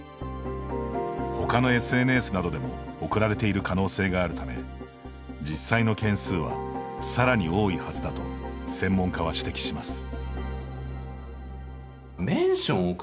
ほかのＳＮＳなどでも送られている可能性があるため実際の件数はさらに多いはずだと専門家は指摘します。